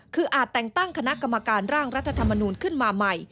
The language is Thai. คืออาจแต่งตั้งคณะกรรมการร่างรัฐธรรมนูลขึ้นมาใหม่